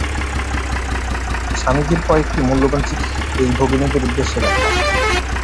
স্বামীজীর কয়েকটি মূল্যবান চিঠি এই ভগিনীদের উদ্দেশে লেখা।